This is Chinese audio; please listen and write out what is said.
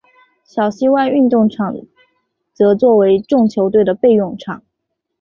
小西湾运动场则作为众球队的备用场。